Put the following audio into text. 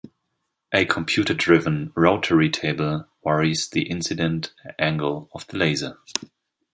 A computer-driven rotary table varies the incident angle of the laser.